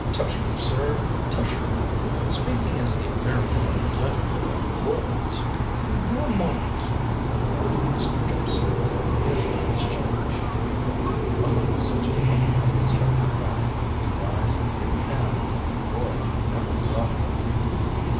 Tushery, sir, tushery! Speaking as the American representative of Lloyds " "One moment," interrupted Mr. Jephson. In his eyes shone a queer light a light such as one might expect to find in the eyes of Peter Pan, the boy who never grew up.